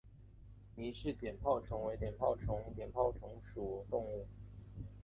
倪氏碘泡虫为碘泡科碘泡虫属的动物。